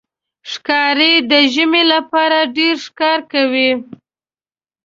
ښکاري د ژمي لپاره ډېر ښکار کوي.